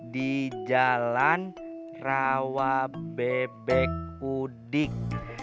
di jalan rawabebekudik